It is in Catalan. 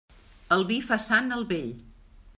El vi fa sant el vell.